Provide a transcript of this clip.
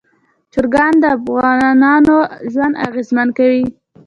چرګان د افغانانو ژوند اغېزمن کوي.